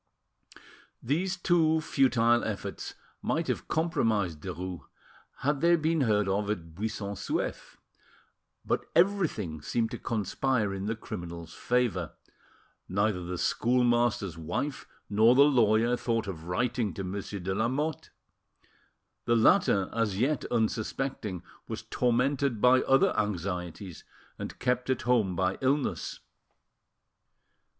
These two futile efforts might have compromised Derues had they been heard of at Buisson Souef; but everything seemed to conspire in the criminal's favour: neither the schoolmaster's wife nor the lawyer thought of writing to Monsieur de Lamotte. The latter, as yet unsuspecting, was tormented by other anxieties, and kept at home by illness.